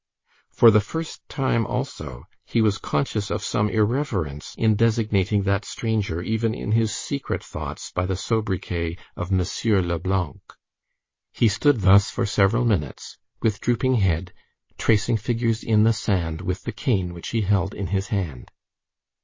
For the first time, also, he was conscious of some irreverence in designating that stranger, even in his secret thoughts, by the sobriquet of M. Leblanc. He stood thus for several minutes, with drooping head, tracing figures in the sand, with the cane which he held in his hand.